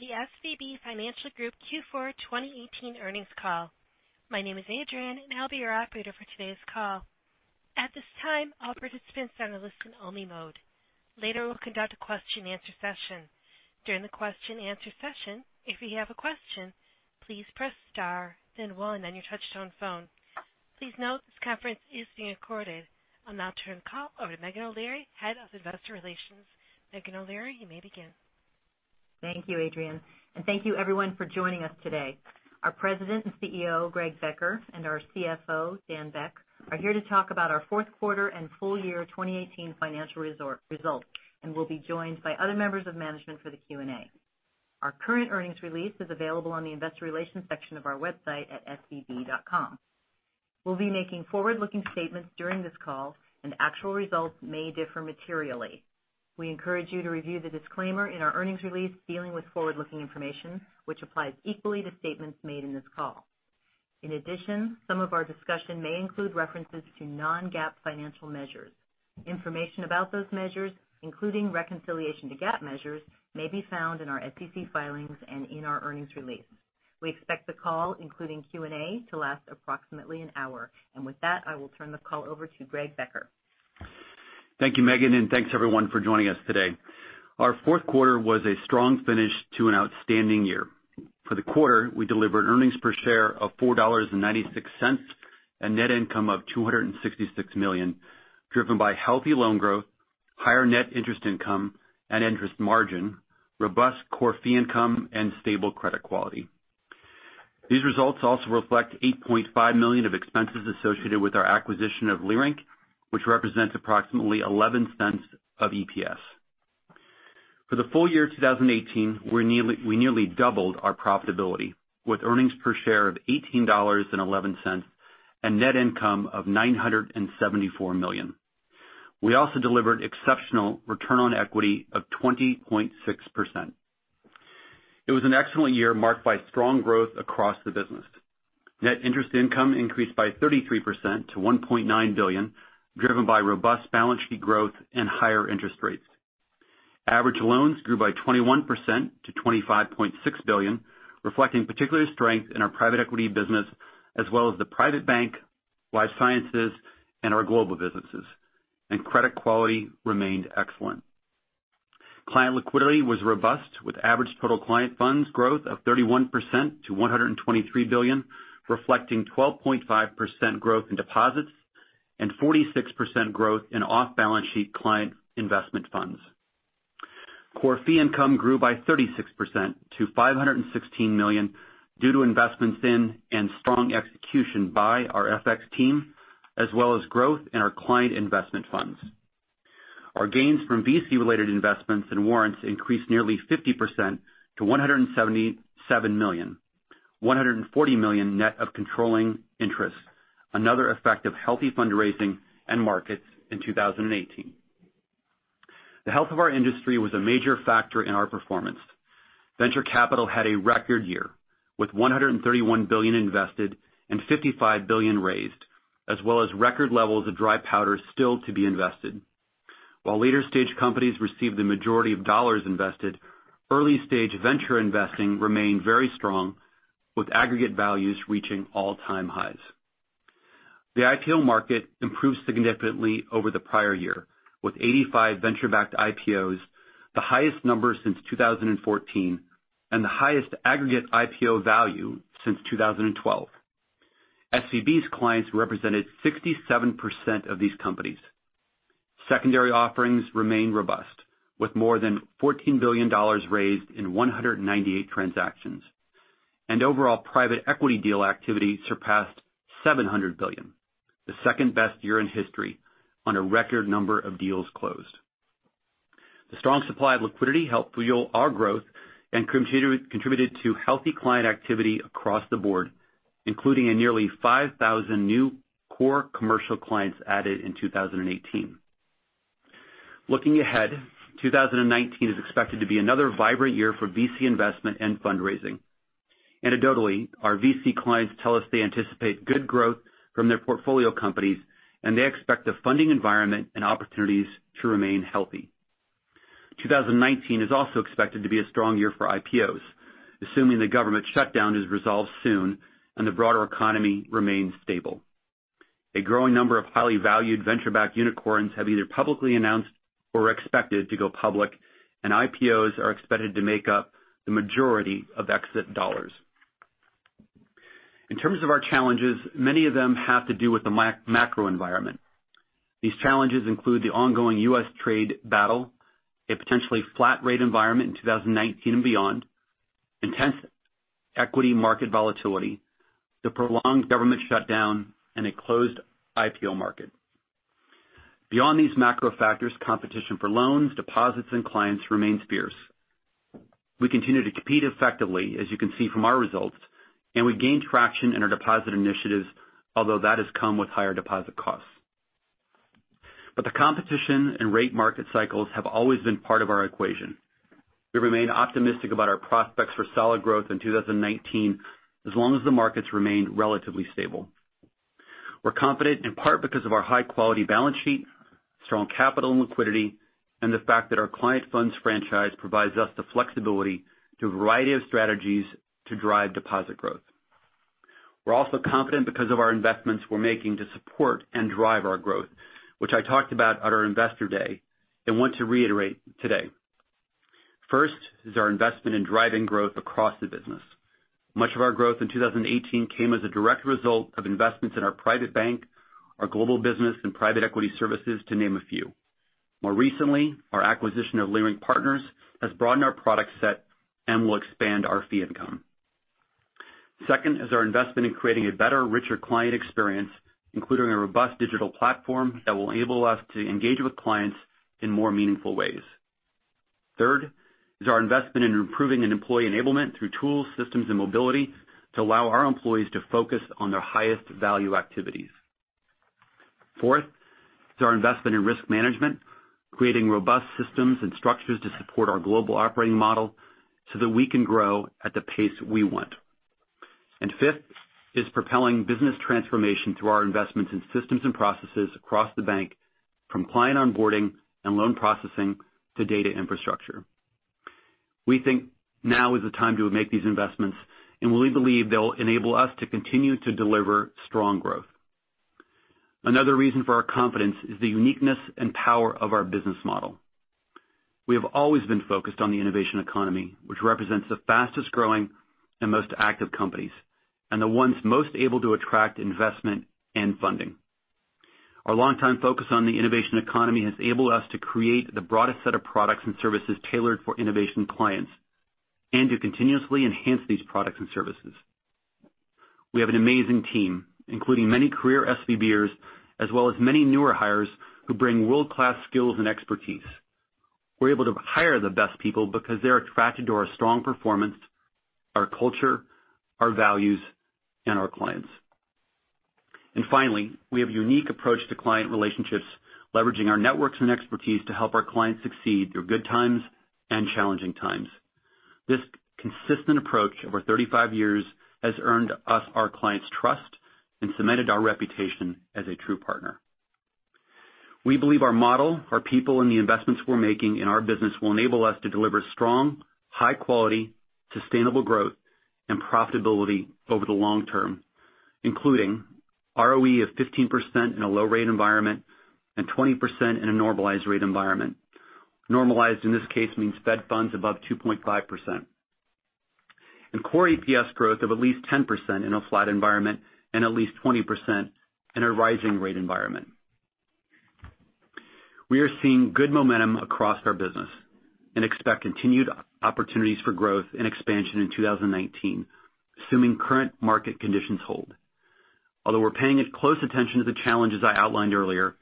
Welcome to the SVB Financial Group Q4 2018 earnings call. My name is Adrienne, and I'll be your operator for today's call. At this time, all participants are in a listen-only mode. Later, we'll conduct a question-and-answer session. During the question-and-answer session, if you have a question, please press star then one on your touch-tone phone. Please note this conference is being recorded. I'll now turn the call over to Meghan O'Leary, Head of Investor Relations. Meghan O'Leary, you may begin. Thank you, Adrienne, thank you everyone for joining us today. Our President and CEO, Greg Becker, and our CFO, Dan Beck, are here to talk about our fourth quarter and full year 2018 financial results. We'll be joined by other members of management for the Q&A. Our current earnings release is available on the investor relations section of our website at svb.com. We'll be making forward-looking statements during this call actual results may differ materially. We encourage you to review the disclaimer in our earnings release dealing with forward-looking information, which applies equally to statements made in this call. In addition, some of our discussions may include references to non-GAAP financial measures. Information about those measures, including reconciliation to GAAP measures, may be found in our SEC filings and in our earnings release. We expect the call, including Q&A, to last approximately an hour. With that, I will turn the call over to Greg Becker. Thank you, Meghan, and thanks to everyone for joining us today. Our fourth quarter was a strong finish to an outstanding year. For the quarter, we delivered earnings per share of $4.96 and net income of $266 million, driven by healthy loan growth, higher net interest income and interest margin, robust core fee income, and stable credit quality. These results also reflect $8.5 million of expenses associated with our acquisition of Leerink, which represents approximately $0.11 of EPS. For the full year 2018, we nearly doubled our profitability with earnings per share of $18.11 and net income of $974 million. We also delivered an exceptional return on equity of 20.6%. It was an excellent year marked by strong growth across the business. Net interest income increased by 33% to $1.9 billion, driven by robust balance sheet growth and higher interest rates. Average loans grew by 21% to $25.6 billion, reflecting particular strength in our Private Equity business as well as the Private Bank, Life Sciences, and our Global businesses. Credit quality remained excellent. Client liquidity was robust with average total client funds growth of 31% to $123 billion, reflecting 12.5% growth in deposits and 46% growth in off-balance sheet client investment funds. Core fee income grew by 36% to $516 million due to investments in and strong execution by our FX team as well as growth in our client investment funds. Our gains from VC-related investments and warrants increased nearly 50% to $177 million, $140 million net of controlling interest. Another effect of healthy fundraising and markets in 2018. The health of our industry was a major factor in our performance. Venture capital had a record year with $131 billion invested and $55 billion raised, as well as record levels of dry powder still to be invested. While later-stage companies received the majority of dollars invested, early-stage venture investing remained very strong with aggregate values reaching all-time highs. The IPO market improved significantly over the prior year with 85 venture-backed IPOs, the highest number since 2014 and the highest aggregate IPO value since 2012. SVB's clients represented 67% of these companies. Secondary offerings remained robust with more than $14 billion raised in 198 transactions. Overall, private equity deal activity surpassed $700 billion, the second-best year in history, on a record number of deals closed. The strong supply of liquidity helped fuel our growth and contributed to healthy client activity across the board, including a nearly 5,000 new core commercial clients added in 2018. Looking ahead, 2019 is expected to be another vibrant year for VC investment and fundraising. Anecdotally, our VC clients tell us they anticipate good growth from their portfolio companies, and they expect the funding environment and opportunities to remain healthy. 2019 is also expected to be a strong year for IPOs, assuming the government shutdown is resolved soon, and the broader economy remains stable. A growing number of highly valued venture-backed unicorns have either publicly announced or are expected to go public, and IPOs are expected to make up the majority of exit dollars. In terms of our challenges, many of them have to do with the macro environment. These challenges include the ongoing U.S. trade battle, a potentially flat rate environment in 2019 and beyond, intense equity market volatility, the prolonged government shutdown, and a closed IPO market. Beyond these macro factors, competition for loans, deposits, and clients remains fierce. We continue to compete effectively, as you can see from our results, and we gained traction in our deposit initiatives, although that has come with higher deposit costs. The competition and rate market cycles have always been part of our equation. We remain optimistic about our prospects for solid growth in 2019 as long as the markets remain relatively stable. We're confident in part because of our high-quality balance sheet, strong capital and liquidity, and the fact that our client funds franchise provides us the flexibility through a variety of strategies to drive deposit growth. We're also confident because of the investments we're making to support and drive our growth, which I talked about at our Investor Day and want to reiterate today. First is our investment in driving growth across the business. Much of our growth in 2018 came as a direct result of investments in our Private Bank, our Global business, and Private Equity Services, to name a few. More recently, our acquisition of Leerink Partners has broadened our product set and will expand our fee income. Second is our investment in creating a better, richer client experience, including a robust digital platform that will enable us to engage with clients in more meaningful ways. Third is our investment in improving employee enablement through tools, systems, and mobility to allow our employees to focus on their highest-value activities. Fourth is our investment in risk management, creating robust systems and structures to support our global operating model so that we can grow at the pace we want. Fifth is propelling business transformation through our investments in systems and processes across the bank, from client onboarding and loan processing to data infrastructure. We think now is the time to make these investments, and we believe they'll enable us to continue to deliver strong growth. Another reason for our confidence is the uniqueness and power of our business model. We have always been focused on the innovation economy, which represents the fastest-growing and most active companies and the ones most able to attract investment and funding. Our longtime focus on the innovation economy has enabled us to create the broadest set of products and services tailored for innovation clients and to continuously enhance these products and services. We have an amazing team, including many career SVB-ers, as well as many newer hires who bring world-class skills and expertise. We're able to hire the best people because they're attracted to our strong performance, our culture, our values, and our clients. Finally, we have a unique approach to client relationships, leveraging our networks and expertise to help our clients succeed through good times and challenging times. This consistent approach over 35 years has earned us our clients' trust and cemented our reputation as a true partner. We believe our model, our people, and the investments we're making in our business will enable us to deliver strong, high-quality, sustainable growth and profitability over the long term, including ROE of 15% in a low-rate environment and 20% in a normalized-rate environment. Normalized, in this case, means Fed funds above 2.5%. Core EPS growth of at least 10% in a flat environment and at least 20% in a rising-rate environment. We are seeing good momentum across our business and expect continued opportunities for growth and expansion in 2019, assuming current market conditions hold. Although we're paying as close attention to the challenges I outlined earlier,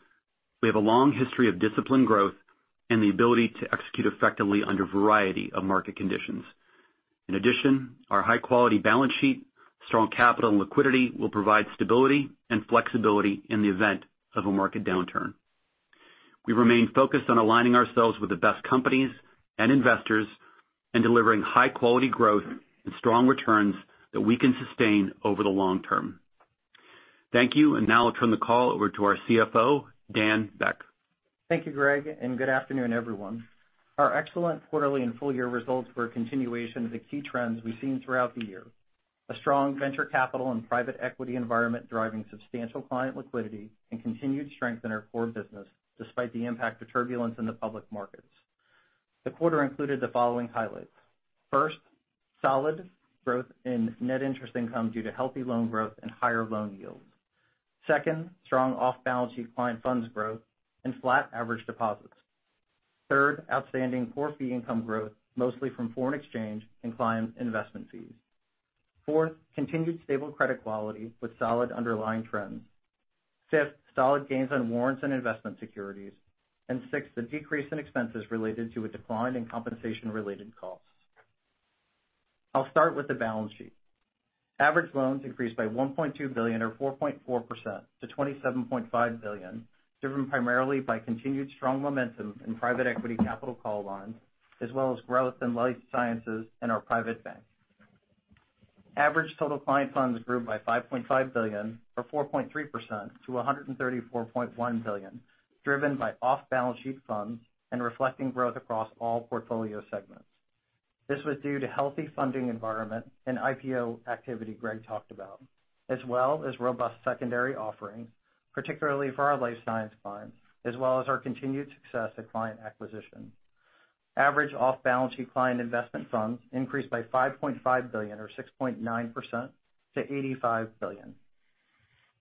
we have a long history of disciplined growth and the ability to execute effectively under a variety of market conditions. In addition, our high-quality balance sheet, strong capital, and liquidity will provide stability and flexibility in the event of a market downturn. We remain focused on aligning ourselves with the best companies and investors and delivering high-quality growth and strong returns that we can sustain over the long term. Thank you. Now I'll turn the call over to our CFO, Dan Beck. Thank you, Greg, and good afternoon, everyone. Our excellent quarterly and full-year results were a continuation of the key trends we've seen throughout the year. A strong venture capital and private equity environment is driving substantial client liquidity and continued strength in our core business, despite the impact of turbulence in the public markets. The quarter included the following highlights. First, solid growth in net interest income due to healthy loan growth and higher loan yields. Second, strong off-balance sheet client funds growth and flat average deposits. Third, outstanding core fee income growth, mostly from foreign exchange and client investment fees. Fourth, continued stable credit quality with solid underlying trends. Fifth, solid gains on warrants and investment securities. Sixth, a decrease in expenses related to a decline in compensation-related costs. I'll start with the balance sheet. Average loans increased by $1.2 billion, or 4.4%, to $27.5 billion, driven primarily by continued strong momentum in private equity capital call lines, as well as growth in Life Sciences and our Private Bank. Average total client funds grew by $5.5 billion or 4.3% to $134.1 billion, driven by off-balance sheet funds and reflecting growth across all portfolio segments. This was due to a healthy funding environment and IPO activity Greg talked about, as well as robust secondary offerings, particularly for our Life Sciences clients, as well as our continued success at client acquisition. Average off-balance sheet client investment funds increased by $5.5 billion or 6.9% to $85 billion.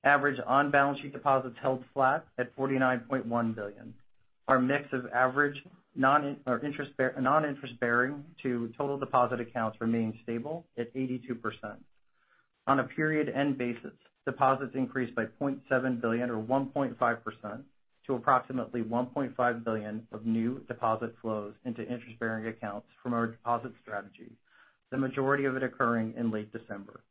Average on-balance sheet deposits held flat at $49.1 billion. Our mix of average non-interest-bearing to total deposit accounts remained stable at 82%. On a period-end basis, deposits increased by $0.7 billion or 1.5% to approximately $1.5 billion of new deposit flows into interest-bearing accounts from our deposit strategy, the majority of it occurring in late December.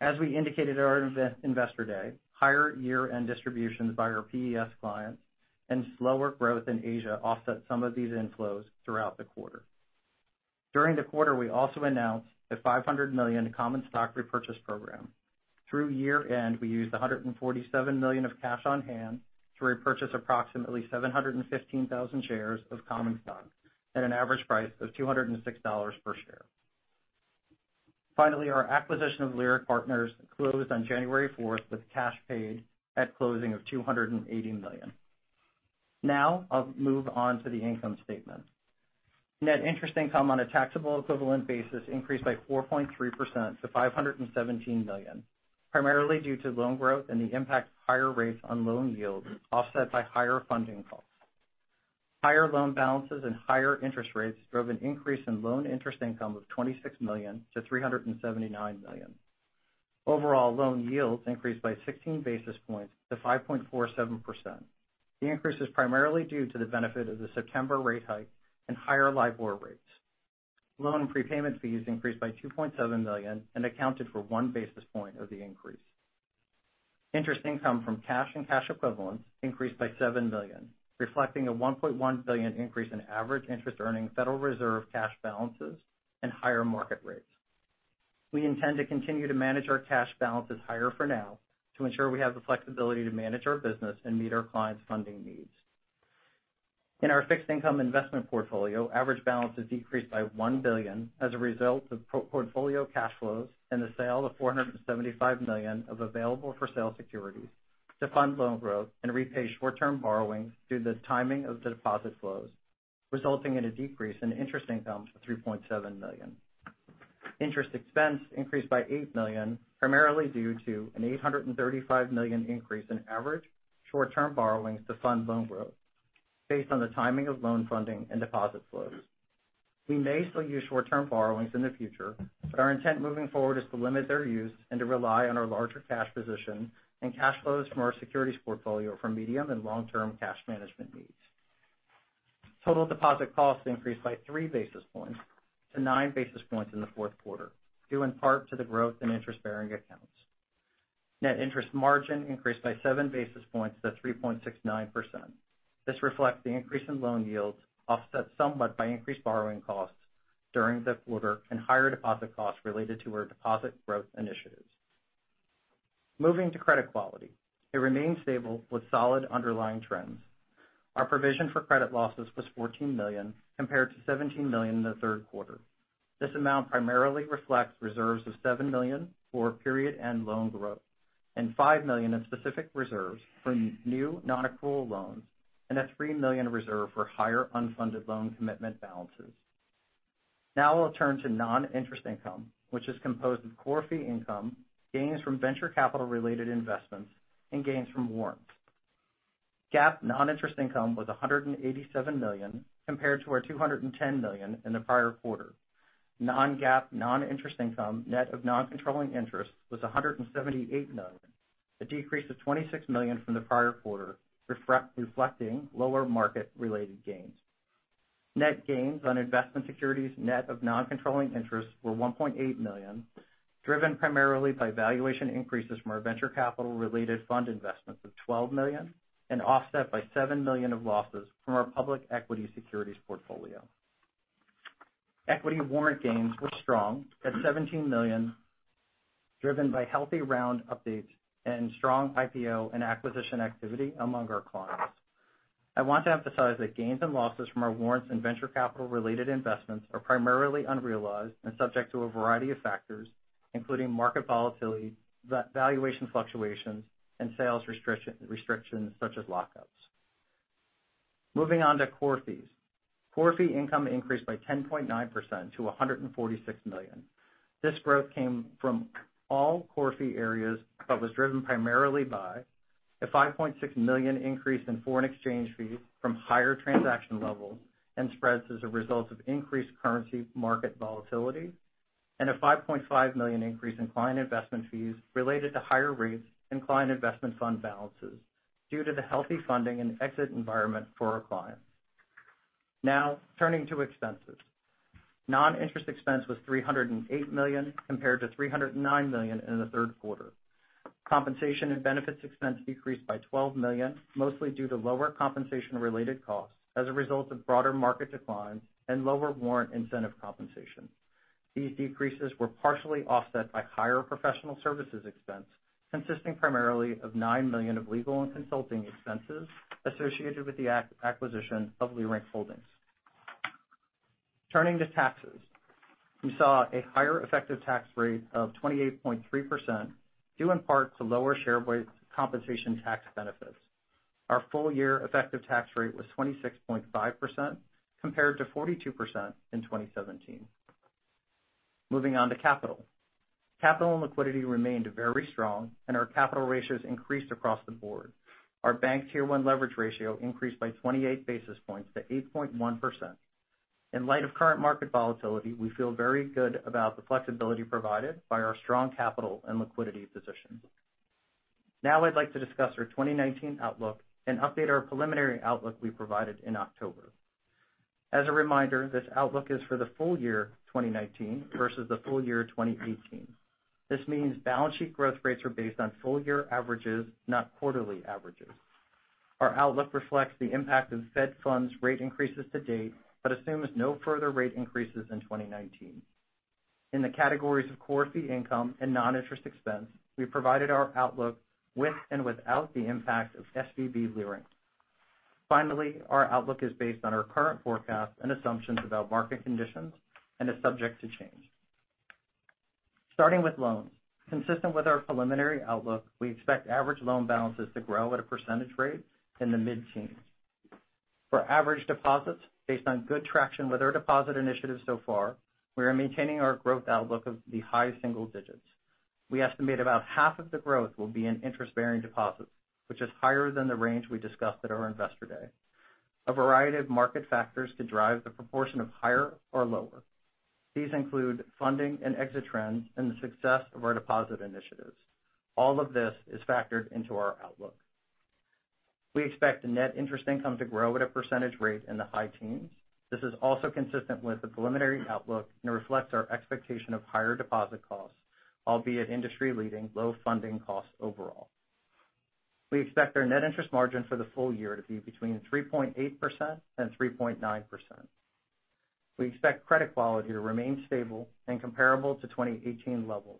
As we indicated at our Investor Day, higher year-end distributions by our PES clients and slower growth in Asia offset some of these inflows throughout the quarter. During the quarter, we also announced a $500 million common stock repurchase program. Through year-end, we used $147 million of cash on hand to repurchase approximately 715,000 shares of common stock at an average price of $206 per share. Finally, our acquisition of Leerink Partners closed on January 4th with cash paid at closing of $280 million. I'll move on to the income statement. Net interest income on a taxable equivalent basis increased by 4.3% to $517 million, primarily due to loan growth and the impact of higher rates on loan yields, offset by higher funding costs. Higher loan balances and higher interest rates drove an increase in loan interest income of $26 million to $379 million. Overall, loan yields increased by 16 basis points to 5.47%. The increase is primarily due to the benefit of the September rate hike and higher LIBOR rates. Loan prepayment fees increased by $2.7 million and accounted for one basis point of the increase. Interest income from cash and cash equivalents increased by $7 million, reflecting a $1.1 billion increase in average interest-earning Federal Reserve cash balances and higher market rates. We intend to continue to manage our cash balances higher for now to ensure we have the flexibility to manage our business and meet our clients' funding needs. In our fixed income investment portfolio, average balances decreased by $1 billion as a result of portfolio cash flows and the sale of $475 million of available-for-sale securities to fund loan growth and repay short-term borrowings due to the timing of the deposit flows, resulting in a decrease in interest income $3.7 million. Interest expense increased by $8 million, primarily due to an $835 million increase in average short-term borrowings to fund loan growth based on the timing of loan funding and deposit flows. We may still use short-term borrowings in the future. Our intent moving forward is to limit their use and to rely on our larger cash position and cash flows from our securities portfolio for medium and long-term cash management needs. Total deposit costs increased by 3 basis points to 9 basis points in the fourth quarter, due in part to the growth in interest-bearing accounts. Net interest margin increased by 7 basis points to 3.69%. This reflects the increase in loan yields, offset somewhat by increased borrowing costs during the quarter and higher deposit costs related to our deposit growth initiatives. Moving to credit quality. It remains stable with solid underlying trends. Our provision for credit losses was $14 million, compared to $17 million in the third quarter. This amount primarily reflects reserves of $7 million for period-end loan growth and $5 million in specific reserves for new nonaccrual loans and a $3 million reserve for higher unfunded loan commitment balances. Now I'll turn to non-interest income, which is composed of core fee income, gains from venture capital-related investments, and gains from warrants. GAAP non-interest income was $187 million compared to our $210 million in the prior quarter. Non-GAAP non-interest income, net of non-controlling interest, was $178 million, a decrease of $26 million from the prior quarter, reflecting lower market-related gains. Net gains on investment securities net of non-controlling interests were $1.8 million, driven primarily by valuation increases from our venture capital-related fund investments of $12 million and offset by $7 million of losses from our public equity securities portfolio. Equity warrant gains were strong at $17 million, driven by healthy round updates and strong IPO and acquisition activity among our clients. I want to emphasize that gains and losses from our warrants and venture capital-related investments are primarily unrealized and subject to a variety of factors, including market volatility, valuation fluctuations, and sales restrictions such as lockups. Moving on to core fees. Core fee income increased by 10.9% to $146 million. This growth came from all core fee areas, was driven primarily by a $5.6 million increase in foreign exchange fees from higher transaction levels and spreads as a result of increased currency market volatility, and a $5.5 million increase in client investment fees related to higher rates and client investment fund balances due to the healthy funding and exit environment for our clients. Now turning to expenses. Non-interest expense was $308 million compared to $309 million in the third quarter. Compensation and benefits expense decreased by $12 million, mostly due to lower compensation-related costs as a result of broader market declines and lower warrant incentive compensation. These decreases were partially offset by higher professional services expense, consisting primarily of $9 million of legal and consulting expenses associated with the acquisition of Leerink Holdings. Turning to taxes. We saw a higher effective tax rate of 28.3%, due in part to lower share-based compensation tax benefits. Our full-year effective tax rate was 26.5% compared to 42% in 2017. Moving on to capital. Capital and liquidity remained very strong, and our capital ratios increased across the board. Our bank's Tier 1 leverage ratio increased by 28 basis points to 8.1%. In light of current market volatility, we feel very good about the flexibility provided by our strong capital and liquidity position. Now I'd like to discuss our 2019 outlook and update our preliminary outlook we provided in October. As a reminder, this outlook is for the full year 2019 versus the full year 2018. This means balance sheet growth rates are based on full-year averages, not quarterly averages. Our outlook reflects the impact of Fed funds rate increases to date but assumes no further rate increases in 2019. In the categories of core fee income and non-interest expense, we provided our outlook with and without the impact of SVB Leerink. Our outlook is based on our current forecasts and assumptions about market conditions and is subject to change. Starting with loans. Consistent with our preliminary outlook, we expect average loan balances to grow at a percentage rate in the mid-teens. For average deposits, based on good traction with our deposit initiatives so far, we are maintaining our growth outlook of the high single digits. We estimate about half of the growth will be in interest-bearing deposits, which is higher than the range we discussed at our Investor Day. A variety of market factors could drive the proportion of higher or lower. These include funding and exit trends, and the success of our deposit initiatives. All of this is factored into our outlook. We expect net interest income to grow at a percentage rate in the high teens. This is also consistent with the preliminary outlook and reflects our expectation of higher deposit costs, albeit industry-leading low funding costs overall. We expect our net interest margin for the full year to be 3.8%-3.9%. We expect credit quality to remain stable and comparable to 2018 levels.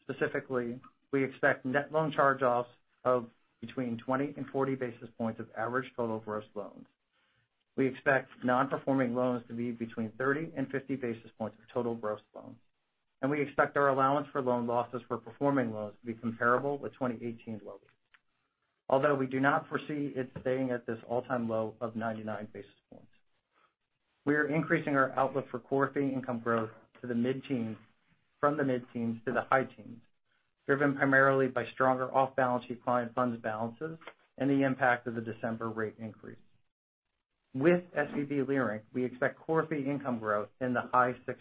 Specifically, we expect net loan charge-offs of between 20-40 basis points of average total gross loans. We expect non-performing loans to be between 30-50 basis points of total gross loans. We expect our allowance for loan losses for performing loans to be comparable with 2018 levels. Although we do not foresee it staying at this all-time low of 99 basis points. We are increasing our outlook for core fee income growth from the mid-teens to the high teens, driven primarily by stronger off-balance sheet client funds balances and the impact of the December rate increase. With SVB Leerink, we expect core fee income growth in the high range of 60%.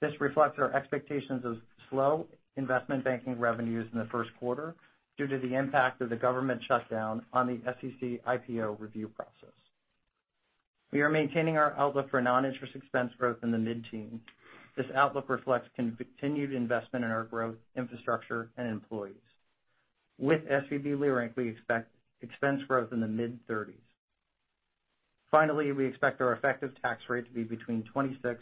This reflects our expectations of slow investment banking revenues in the first quarter due to the impact of the government shutdown on the SEC IPO review process. We are maintaining our outlook for non-interest expense growth in the mid-teens. This outlook reflects continued investment in our growth infrastructure and employees. With SVB Leerink, we expect expense growth in the mid-range of 30%. Finally, we expect our effective tax rate to be between 26%-28%.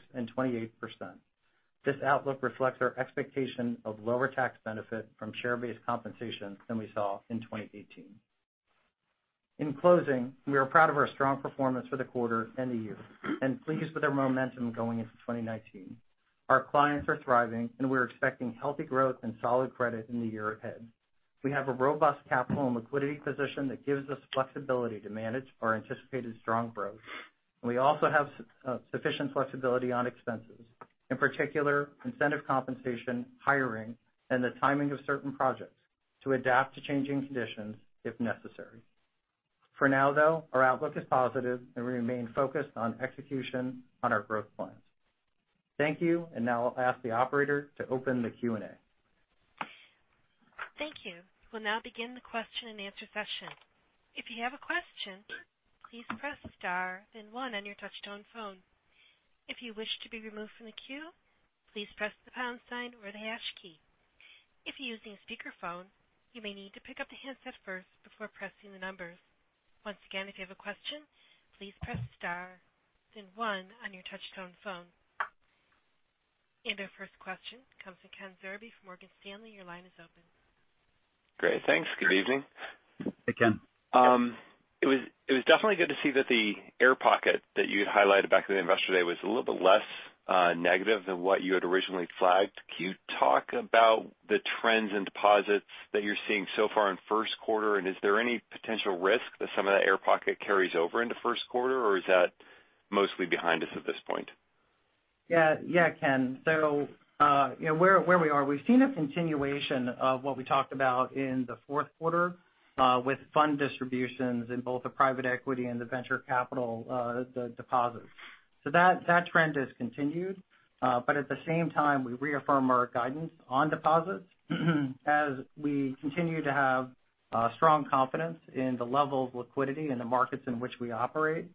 This outlook reflects our expectation of lower tax benefit from share-based compensation than we saw in 2018. In closing, we are proud of our strong performance for the quarter and the year and pleased with our momentum going into 2019. Our clients are thriving, and we're expecting healthy growth and solid credit in the year ahead. We have a robust capital and liquidity position that gives us flexibility to manage our anticipated strong growth. We also have sufficient flexibility on expenses, in particular, incentive compensation, hiring, and the timing of certain projects to adapt to changing conditions if necessary. For now, though, our outlook is positive, and we remain focused on the execution of our growth plans. Thank you. Now I'll ask the operator to open the Q&A. Thank you. We'll now begin the question-and-answer session. If you have a question, please press star then one on your touch-tone phone. If you wish to be removed from the queue, please press the pound sign or the hash key. If you're using a speakerphone, you may need to pick up the handset first before pressing the numbers. Once again, if you have a question, please press star then one on your touchtone phone. Our first question comes from Ken Zerbe from Morgan Stanley. Your line is open. Great. Thanks. Good evening. Hey, Ken. It was definitely good to see that the air pocket that you had highlighted back in the Investor Day was a little bit less negative than what you had originally flagged. Can you talk about the trends in deposits that you're seeing so far in first quarter? Is there any potential risk that some of that air pocket carries over into first quarter, or is that mostly behind us at this point? Yeah, Ken. Where we are, we've seen a continuation of what we talked about in the fourth quarter with fund distributions in both the private equity and the venture capital deposits. That trend has continued. At the same time, we reaffirm our guidance on deposits as we continue to have strong confidence in the level of liquidity in the markets in which we operate.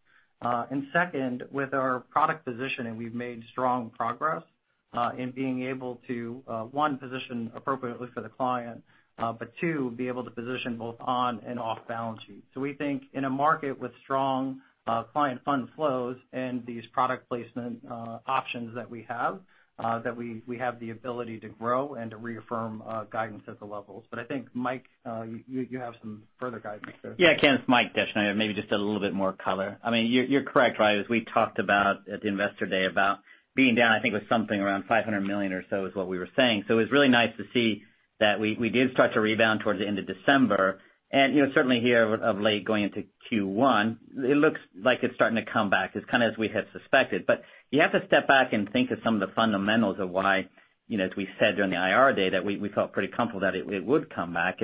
Second, with our product positioning, we've made strong progress in being able to, one, position appropriately for the client, but two, be able to position both on and off balance sheet. We think in a market with strong client fund flows and these product placement options that we have, that we have the ability to grow and to reaffirm guidance at the levels. I think, Mike, you have some further guidance there. Yeah, Ken, it's Mike Descheneaux. Maybe just a little bit more color. You're correct. As we talked about at the Investor Day about being down, I think it was something around $500 million or so is what we were saying. It was really nice to see that we did start to rebound towards the end of December. Certainly, here of late, going into Q1, it looks like it's starting to come back. It's kind of what we had suspected. You have to step back and think of some of the fundamentals of why, as we said during the Investor Day, that we felt pretty comfortable that it would come back.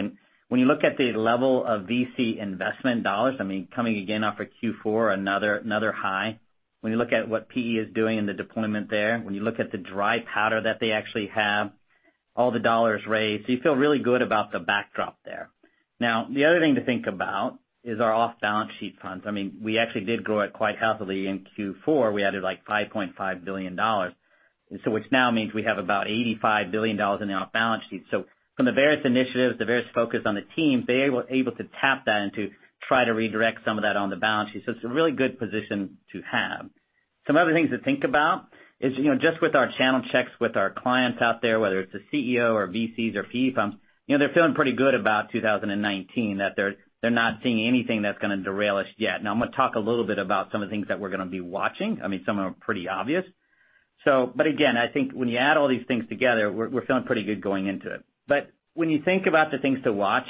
When you look at the level of VC investment dollars, coming again off of Q4, another high. When you look at what PE is doing in the deployment there. When you look at the dry powder that they actually have, all the dollars raised, you feel really good about the backdrop there. The other thing to think about is our off-balance sheet funds. We actually did grow it quite healthily in Q4. We added like $5.5 billion. Which now means we have about $85 billion in the off-balance sheet. From the various initiatives, the various focus on the team, they were able to tap that and to try to redirect some of that to the balance sheet. It's a really good position to have. Some other things to think about are just with our channel checks with our clients out there, whether it's the CEO or VCs or PE firms, they're feeling pretty good about 2019, that they're not seeing anything that's going to derail us yet. I'm going to talk a little bit about some of the things that we're going to be watching. Some are pretty obvious. Again, I think when you add all these things together, we're feeling pretty good going into it. When you think about the things to watch,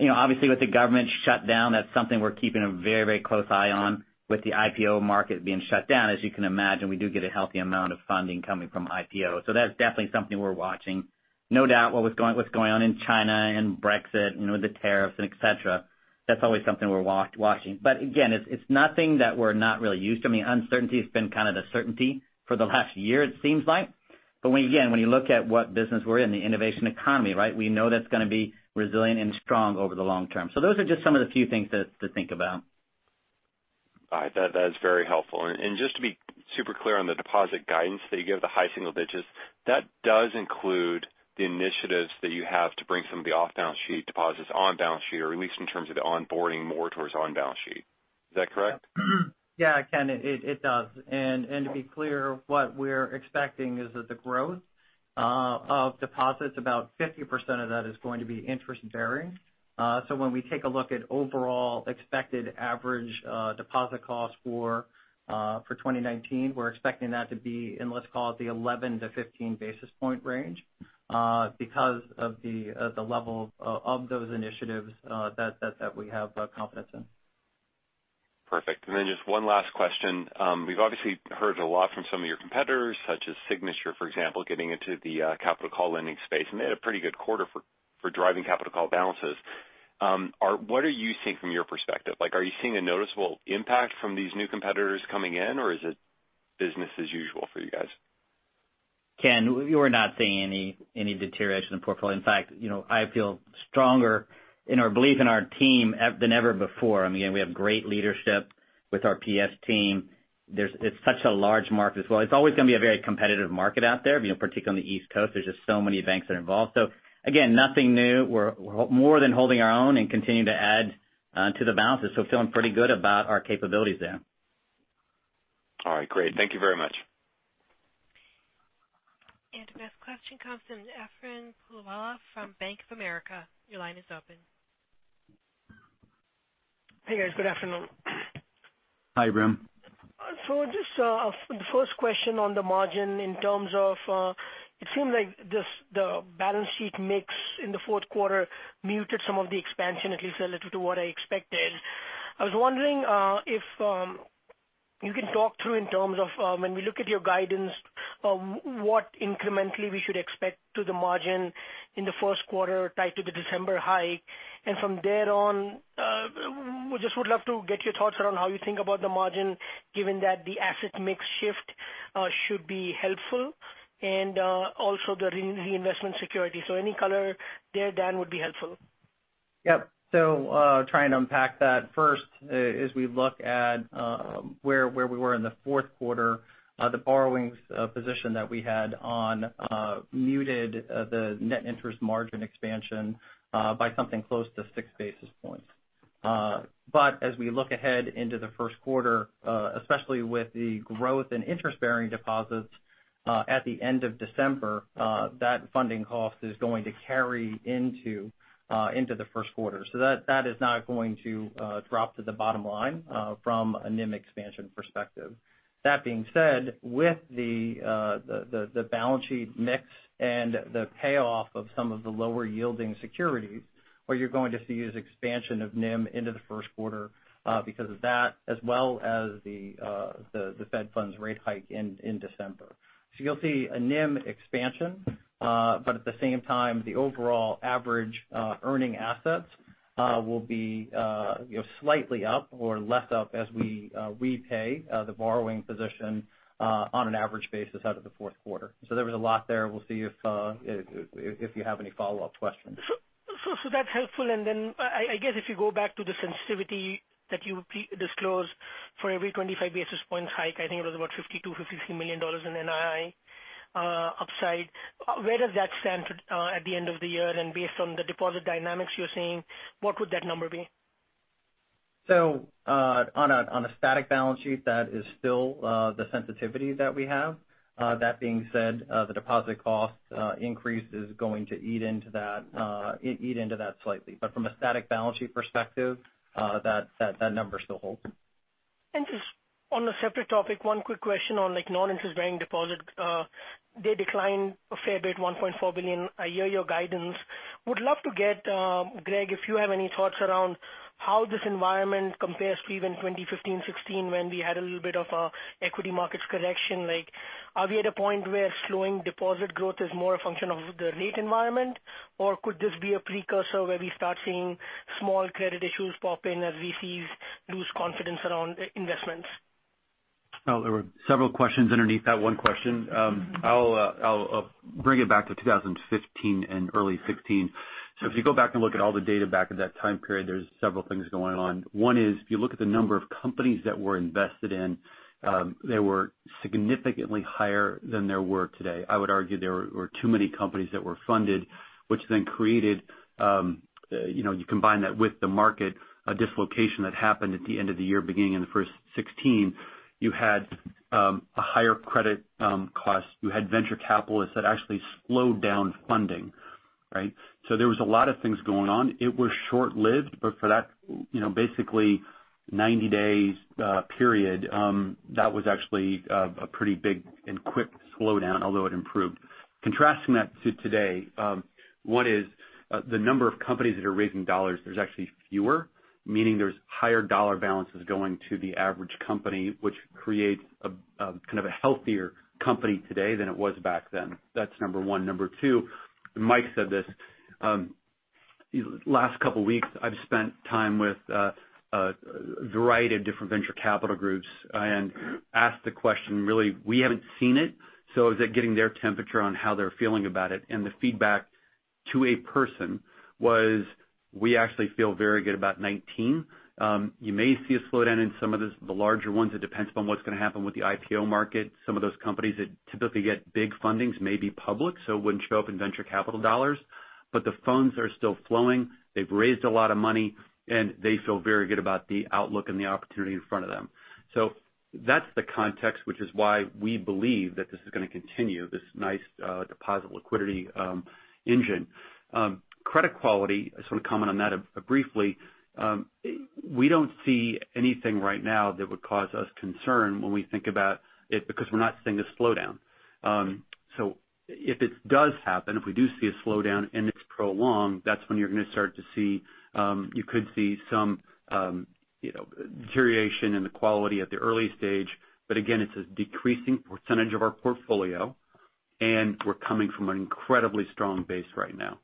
obviously, with the government shutdown, that's something we're keeping a very close eye on, with the IPO market being shut down. As you can imagine, we do get a healthy amount of funding coming from IPO. That's definitely something we're watching. No doubt what's going on in China and Brexit, with the tariffs and et cetera, that's always something we're watching. Again, it's nothing that we're not really used to. Uncertainty has been kind of the certainty for the last year, it seems like. Again, when you look at what business we're in, the innovation economy, we know that's going to be resilient and strong over the long term. Those are just some of the few things to think about. All right. That is very helpful. Just to be super clear on the deposit guidance that you give, the high single digits, that does include the initiatives that you have to bring some of the off-balance sheet deposits on balance sheet, or at least in terms of the onboarding more towards on-balance sheet. Is that correct? Ken, it does. To be clear, what we're expecting is that the growth of deposits, about 50% of that is going to be interest-bearing. When we take a look at overall expected average deposit costs for 2019, we're expecting that to be in, let's call it, the 11-15 basis point range because of the level of those initiatives that we have confidence in. Perfect. Just one last question. We've obviously heard a lot from some of your competitors, such as Signature, for example, getting into the capital call lending space, and they had a pretty good quarter for driving capital call balances. What are you seeing from your perspective? Are you seeing a noticeable impact from these new competitors coming in, or is it business as usual for you guys? Ken, we're not seeing any deterioration in the portfolio. In fact, I feel stronger in our belief in our team than ever before. We have great leadership with our PE team. It's such a large market as well. It's always going to be a very competitive market out there, particularly on the East Coast. Again, nothing new. We're more than holding our own and continuing to add to the balances, feeling pretty good about our capabilities there. All right, great. Thank you very much. The next question comes from Ebrahim Poonawala from Bank of America. Your line is open. Hey, guys. Good afternoon. Hi, Ebrahim. Just the first question on the margin in terms of it seems like the balance sheet mix in the fourth quarter muted some of the expansion, at least relative to what I expected. I was wondering if you could talk through, in terms of when we look at your guidance, what incrementally we should expect to see in the margin in the first quarter tied to the December hike. From there on, I would love to get your thoughts on how you think about the margin, given that the asset mix shift should be helpful, and also the reinvestment security. Any color there, Dan, would be helpful. Yep. Try and unpack that. First, as we look at where we were in the fourth quarter, the borrowing position that we had on muted the net interest margin expansion by something close to 6 basis points. As we look ahead into the first quarter, especially with the growth in interest-bearing deposits at the end of December, that funding cost is going to carry into the first quarter. That is not going to drop to the bottom line from a NIM expansion perspective. That being said, with the balance sheet mix and the payoff of some of the lower-yielding securities, what you're going to see is expansion of NIM into the first quarter because of that, as well as the Fed funds rate hike in December. You'll see a NIM expansion, but at the same time, the overall average earning assets will be slightly up or less up as we repay the borrowing position on an average basis out of the fourth quarter. There was a lot there. We'll see if you have any follow-up questions. That's helpful. Then I guess if you go back to the sensitivity that you disclosed for every 25 basis points hike, I think it was about $52 million-$53 million in NII upside. Where does that stand at the end of the year? Based on the deposit dynamics you're seeing, what would that number be? On a static balance sheet, that is still the sensitivity that we have. That being said, the deposit cost increase is going to eat into that slightly. From a static balance sheet perspective, that number still holds. Just on a separate topic, one quick question on non-interest-bearing deposits. They declined a fair bit, $1.4 billion year-over-year guidance. Would love to get Greg, if you have any thoughts around how this environment compares to even 2015-2016 when we had a little bit of an equity markets correction. Are we at a point where slowing deposit growth is more a function of the rate environment? Or could this be a precursor where we start seeing small credit issues pop up as VCs lose confidence around investments? There were several questions underneath that one question. I'll bring it back to 2015 and early 2016. If you go back and look at all the data back at that time period, there are several things going on. One is, if you look at the number of companies that were invested in, they were significantly higher than there were today. I would argue there were too many companies that were funded, which then created, you combine that with the market, a dislocation that happened at the end of the year, beginning in the first 2016. You had a higher credit cost. You had venture capitalists who actually slowed down funding. Right? There were a lot of things going on. It was short-lived, but for that basically 90-day period, that was actually a pretty big and quick slowdown, although it improved. Contrasting that to today, one is the number of companies that are raising dollars; there are actually fewer, meaning there's higher dollar balances going to the average company, which creates a kind of a healthier company today than it was back then. That's number one. Number two, Mike said this. Last couple of weeks, I've spent time with a variety of different venture capital groups and asked the question, really, we haven't seen it, so is it getting their temperature on how they're feeling about it? The feedback to a person was that we actually feel very good about 2019. You may see a slowdown in some of the larger ones. It depends on what's going to happen with the IPO market. Some of those companies that typically get big funding may be public, so it wouldn't show up in venture capital dollars. The funds are still flowing. They've raised a lot of money, and they feel very good about the outlook and the opportunity in front of them. That's the context, which is why we believe that this is going to continue, this nice deposit liquidity engine. Credit quality, I just want to comment on that briefly. We don't see anything right now that would cause us concern when we think about it because we're not seeing a slowdown. If it does happen, if we do see a slowdown and it's prolonged, that's when you could see some deterioration in the quality at the early stage. Again, it's a decreasing percentage of our portfolio, and we're coming from an incredibly strong base right now.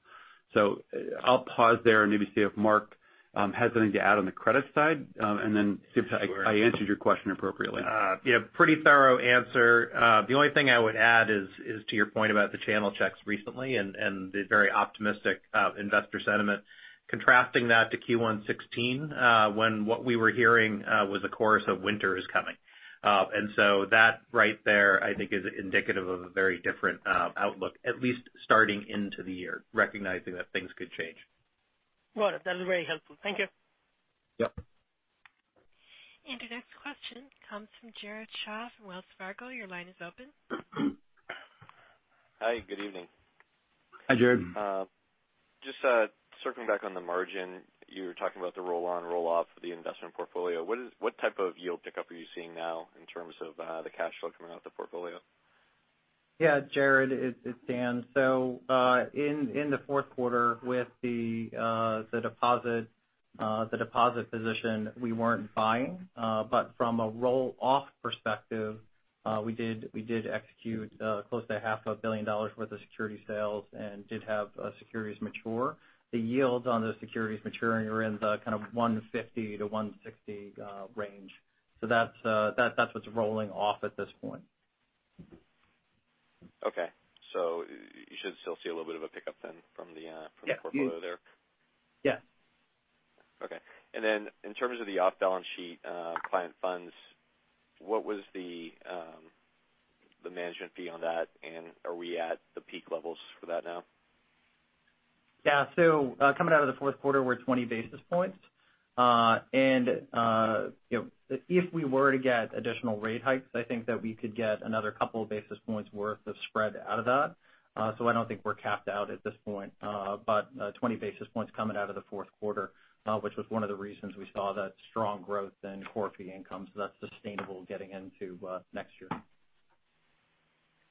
I'll pause there and maybe see if Marc has anything to add on the credit side, and then see if I answered your question appropriately. Yeah. Pretty thorough answer. The only thing I would add is to your point about the channel checks recently and the very optimistic investor sentiment. Contrasting that to Q1 2016, when what we were hearing was a chorus of winter is coming. That right there, I think, is indicative of a very different outlook, at least starting into the year, recognizing that things could change. Got it. That is very helpful. Thank you. Yep. The next question comes from Jared Shaw from Wells Fargo. Your line is open. Hi, good evening. Hi, Jared. Just circling back on the margin, you were talking about the roll-on, roll-off for the investment portfolio. What type of yield pickup are you seeing now in terms of the cash flow coming out the portfolio? Jared, it's Dan. In the fourth quarter, with the deposit position, we weren't buying. From a roll-off perspective, we did execute close to $0.5 billion worth of security sales and did have securities mature. The yields on the securities maturing are in the kind of 150-160 basis points range. That's what's rolling off at this point. Okay. Should you still see a little bit of a pickup from the portfolio there? Yeah. Okay. In terms of the off-balance sheet client funds, what was the management fee on that, and are we at the peak levels for that now? Coming out of the fourth quarter, we're 20 basis points. If we were to get additional rate hikes, I think that we could get another couple of basis points worth of spread out of that. I don't think we're capped out at this point. 20 basis points coming out of the fourth quarter, which was one of the reasons we saw that strong growth in core fee income. That's sustainable getting into next year.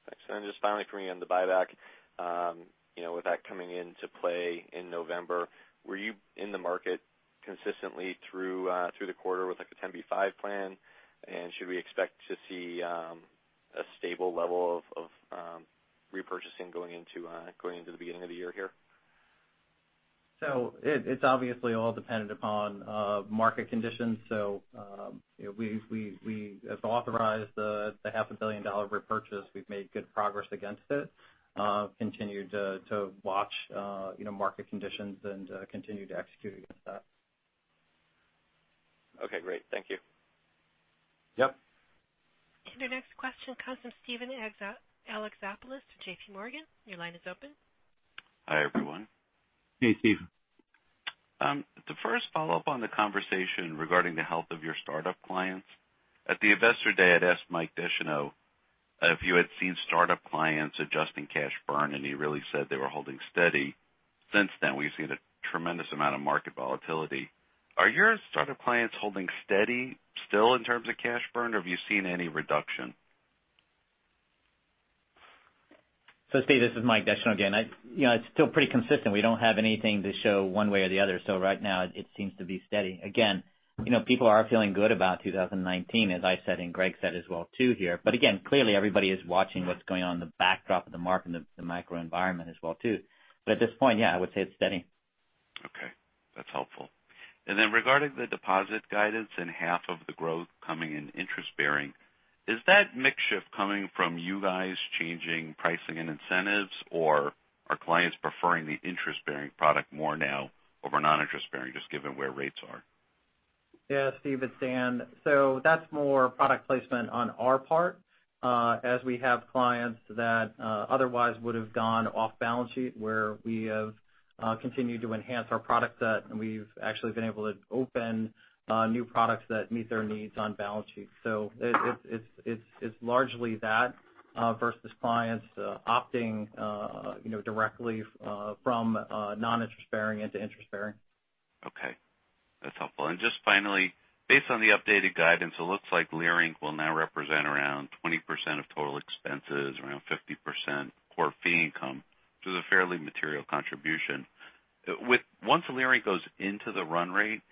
Thanks. Just finally for me on the buyback. With that coming into play in November, were you in the market consistently through the quarter with, like, a 10b5-1 plan? Should we expect to see a stable level of repurchasing going into the beginning of the year here? It's obviously all dependent upon market conditions. We have authorized the $0.5 billion repurchase. We've made good progress against it. Continue to watch market conditions and continue to execute against that. Okay, great. Thank you. Yep. The next question comes from Steven Alexopoulos, JPMorgan. Your line is open. Hi, everyone. Hey, Steven. To first follow up on the conversation regarding the health of your startup clients. At the Investor Day, I'd asked Mike Descheneaux if you had seen startup clients adjusting cash burn, and he really said they were holding steady. Since then, we've seen a tremendous amount of market volatility. Are your startup clients holding steady still in terms of cash burn, or have you seen any reduction? Steve, this is Mike Descheneaux again. It's still pretty consistent. We don't have anything to show one way or the other. Right now it seems to be steady. Again, people are feeling good about 2019, as I said, and Greg said as well here. Again, clearly, everybody is watching what's going on in the backdrop of the market and the microenvironment as well. At this point, yeah, I would say it's steady. That's helpful. Regarding the deposit guidance and half of the growth coming in interest-bearing, is that mix shift coming from you guys changing pricing and incentives, or are clients preferring the interest-bearing product more now over non-interest-bearing, just given where rates are? Yeah, Steve, it's Dan. That's more product placement on our part, as we have clients that otherwise would've gone off balance sheet where we have, continued to enhance our product set, and we've actually been able to open new products that meet their needs on balance sheet. It's largely that, versus clients opting directly from non-interest-bearing into interest-bearing. Okay, that's helpful. Just finally, based on the updated guidance, it looks like Leerink will now represent around 20% of total expenses, around 50% core fee income, which is a fairly material contribution. Once Leerink goes into the run rate,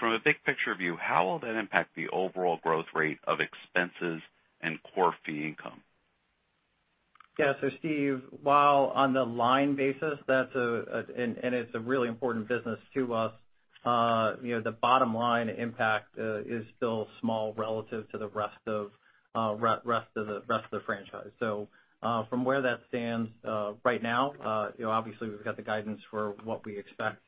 from a big picture view, how will that impact the overall growth rate of expenses and core fee income? Yeah. Steve, while on the line basis, and it's a really important business to us, the bottom line impact is still small relative to the rest of the franchise. From where that stands right now, obviously, we've got the guidance for what we expect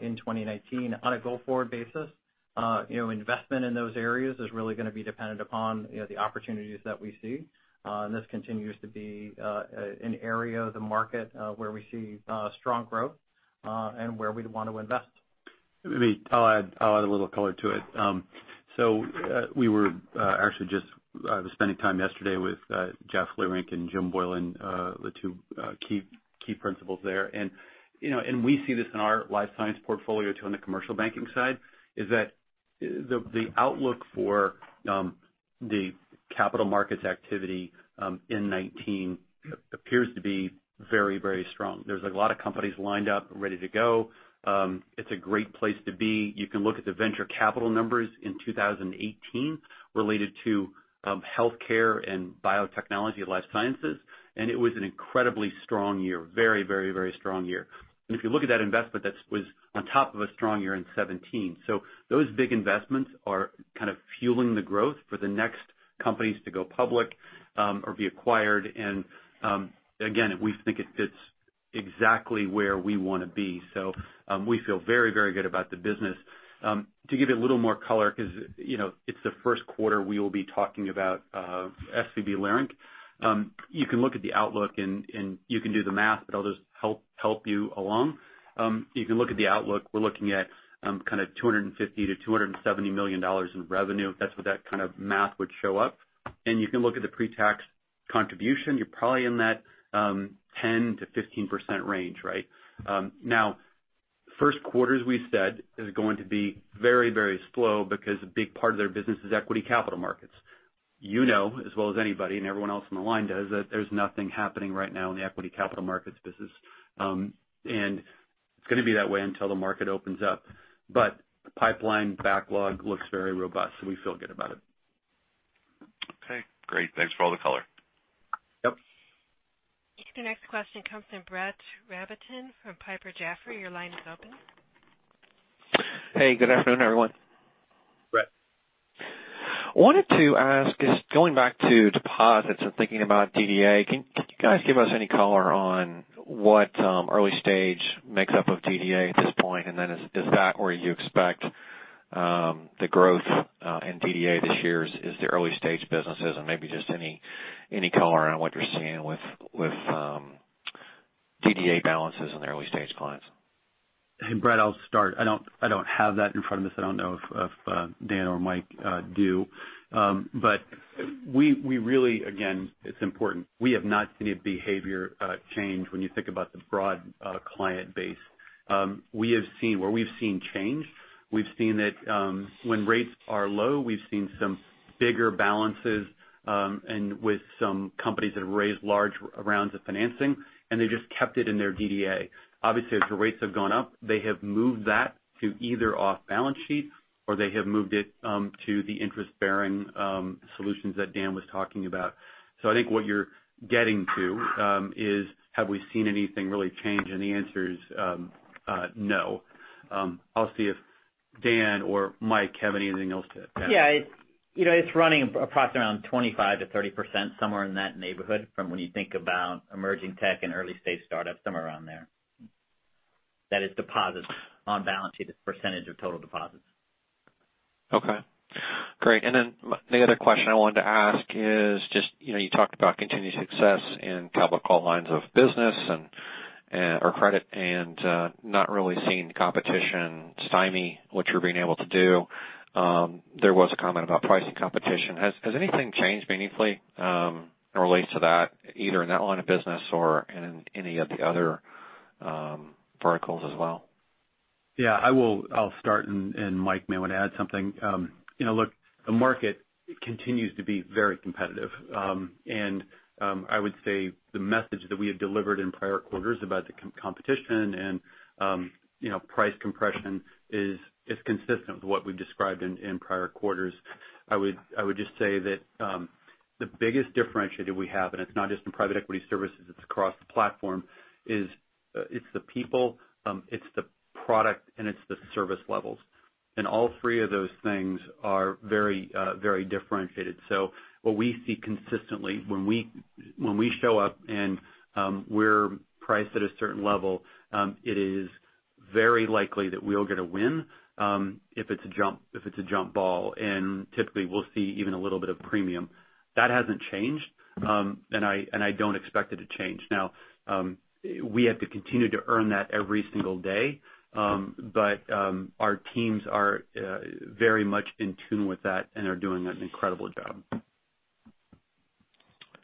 in 2019 on a go-forward basis. Investment in those areas is really going to be dependent upon the opportunities that we see. This continues to be an area of the market where we see strong growth, and where we'd want to invest. I'll add a little color to it. Actually, I was spending time yesterday with Jeff Leerink and Jim Boylan, the two key principals there. We see this in our Life Sciences portfolio, too. On the commercial banking side, is that the outlook for the capital markets activity in 2019 appears to be very strong. There are a lot of companies lined up ready to go. It's a great place to be. You can look at the venture capital numbers in 2018 related to healthcare and biotechnology life sciences; it was an incredibly strong year. Very strong year. If you look at that investment, that was on top of a strong year in 2017. Those big investments are kind of fueling the growth for the next companies to go public or be acquired. Again, we think it fits exactly where we want to be. We feel very good about the business. To give you a little more color, because it's the first quarter, we will be talking about SVB Leerink. You can look at the outlook, and you can do the math; I'll just help you along. You can look at the outlook. We're looking at kind of $250 million-$270 million in revenue. That's what that kind of math would show up. You can look at the pre-tax contribution. You're probably in that 10%-15% range, right? Now, in the first quarter, we've said it's going to be very slow because a big part of their business is equity capital markets. You know as well as anybody, everyone else on the line does, that there's nothing happening right now in the equity capital markets business. It's going to be that way until the market opens up. Pipeline backlog looks very robust; we feel good about it. Okay, great. Thanks for all the color. Yep. The next question comes from Brett Rabatin from Piper Jaffray. Your line is open. Hey. Good afternoon, everyone. Brett. I wanted to ask, just going back to deposits and thinking about DDA, can you guys give us any color on what the early stage makes up of DDA at this point? Is that where you expect the growth in DDA this year is the early-stage businesses, and maybe just any color around what you're seeing with DDA balances in the early-stage clients? Hey, Brett, I'll start. I don't have that in front of us. I don't know if Dan or Mike do. We really, again, it's important. We have not seen a behavior change when you think about the broad client base. Where we've seen change, we've seen that when rates are low, we've seen some bigger balances, and with some companies that have raised large rounds of financing, and they just kept it in their DDA. Obviously, as the rates have gone up, they have moved that to either off balance sheet or they have moved it to the interest-bearing solutions that Dan was talking about. I think what you're getting to is, have we seen anything really change, and the answer is no. I'll see if Dan or Mike have anything else to add. Yeah. It's running approximately around 25%-30%, somewhere in that neighborhood, from when you think about emerging tech and early-stage startups, somewhere around there. That is, deposits on the balance sheet as a percentage of total deposits. Okay, great. The other question I wanted to ask is just you talked about continued success in capital call lines of business or credit, and not really seeing competition stymie what you're being able to do. There was a comment about pricing competition. Has anything changed meaningfully in relation to that, either in that line of business or in any of the other verticals as well? Yeah. I'll start, and Mike may want to add something. Look, the market continues to be very competitive. I would say the message that we have delivered in prior quarters about the competition and price compression is consistent with what we've described in prior quarters. I would just say that the biggest differentiator we have, and it's not just in Private Equity Services, it's across the platform, it's the people, it's the product, and it's the service levels. All three of those things are very differentiated. What we see consistently when we show up, and we're priced at a certain level, it is very likely that we'll get a win if it's a jump ball, and typically we'll see even a little bit of premium. That hasn't changed, and I don't expect it to change. Now, we have to continue to earn that every single day. Our teams are very much in tune with that and are doing an incredible job.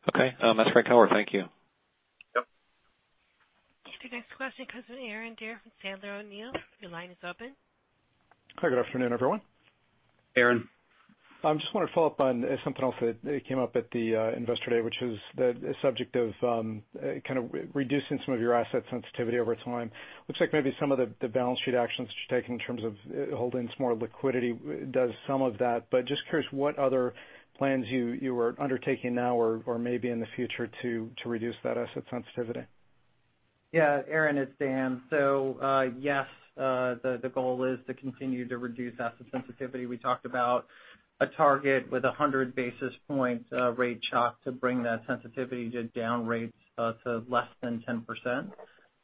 Okay. That's a great color. Thank you. Yep. The next question comes from Aaron Deer from Sandler O'Neill. Your line is open. Hi, good afternoon, everyone. Hey, Aaron. I just want to follow up on something else that came up at the Investor Day, which is the subject of kind of reducing some of your asset sensitivity over time. Looks like maybe some of the balance sheet actions that you're taking in terms of holding some more liquidity does some of that. Just curious what other plans you are undertaking now or maybe in the future to reduce that asset sensitivity. Aaron, it's Dan. Yes, the goal is to continue to reduce asset sensitivity. We talked about a target with a 100 basis points rate shock to bring that sensitivity to down rates to less than 10%.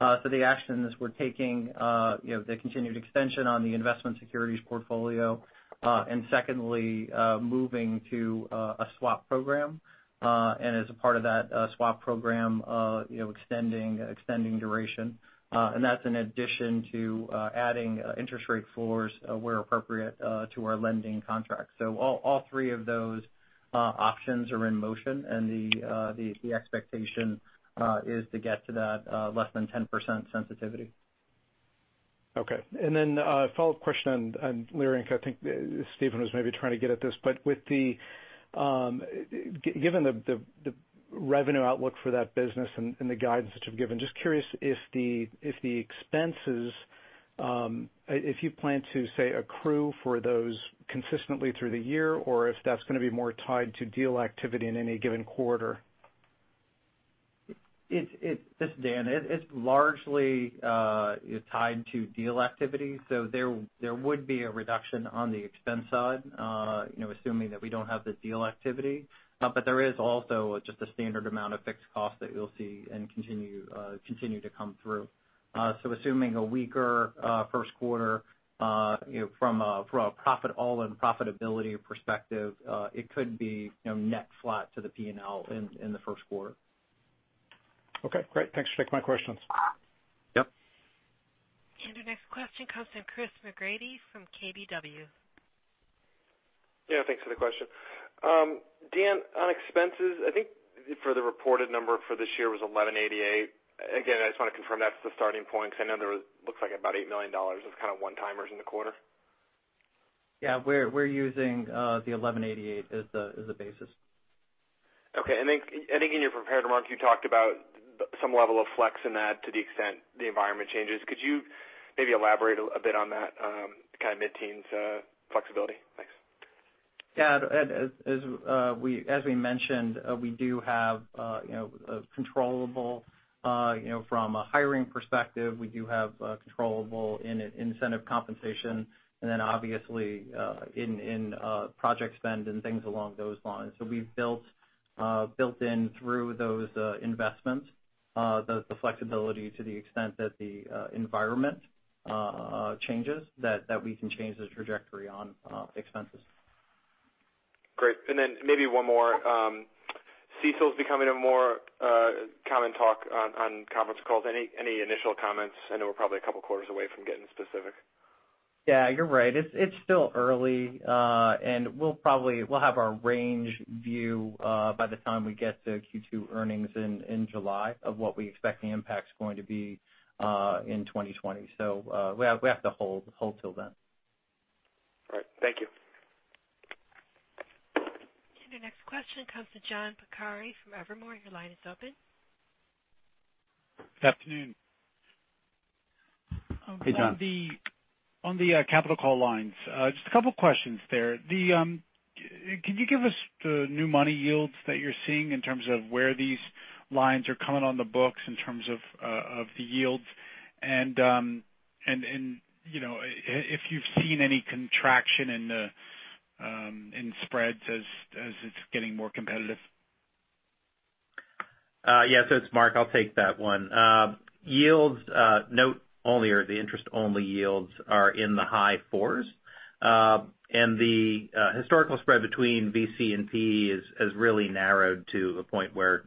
The actions we're taking, the continued extension on the investment securities portfolio. Secondly, moving to a swap program. As a part of that swap program, extending duration. That's in addition to adding interest rate floors where appropriate to our lending contracts. All three of those options are in motion, and the expectation is to get to that less than 10% sensitivity. Okay. A follow-up question on Leerink. I think Steven was maybe trying to get at this, given the revenue outlook for that business and the guidance that you've given, just curious if the expenses, if you plan to, say, accrue for those consistently through the year, or if that's going to be more tied to deal activity in any given quarter. This is Dan. It's largely tied to deal activity. There would be a reduction on the expense side, assuming that we don't have the deal activity. There is also just a standard amount of fixed cost that you'll see and continue to come through. Assuming a weaker first quarter from an all-in profitability perspective, it could be net flat to the P&L in the first quarter. Okay, great. Thanks for taking my questions. Yep. Our next question comes from Chris McGratty from KBW. Yeah, thanks for the question. Dan, on expenses, I think, for the reported number for this year was $1.188. Again, I just want to confirm that's the starting point because I know there looks like about $8 million of kind of one-timers in the quarter. Yeah, we're using the $1.188 as the basis. Okay. I think in your prepared remarks, you talked about some level of flex in that to the extent the environment changes. Could you maybe elaborate a bit on that kind of mid-teens flexibility? Thanks. Yeah. As we mentioned, we do have controllable from a hiring perspective, we do have controllable in incentive compensation, and then obviously in project spend and things along those lines. We've built in through those investments the flexibility to the extent that if the environment changes, that we can change the trajectory on expenses. Great. Maybe one more. CECL is becoming a more common talk on conference calls. Any initial comments? I know we're probably a couple of quarters away from getting specific. Yeah, you're right. It's still early. We'll have our range view by the time we get to Q2 earnings in July of what we expect the impact to be in 2020. We have to hold till then. All right. Thank you. Our next question comes from John Pancari from Evercore. Your line is open. Good afternoon. Hey, John. On the capital call lines, just a couple of questions there. Can you give us the new money yields that you're seeing in terms of where these lines are coming on the books in terms of the yields? If you've seen any contraction in spreads, it's getting more competitive. Yeah. It's Marc. I'll take that one. Yields, note all year, the interest-only yields are in the high range of 4%. The historical spread between VC and PE has really narrowed to a point where